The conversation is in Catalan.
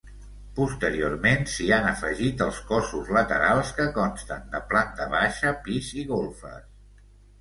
Posteriorment s'hi han afegit els cossos laterals que consten de planta baixa, pis i golfes.